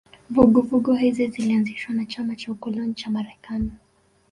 Vuguvugu hizi zilianzishwa na chama cha ukoloni cha Marekani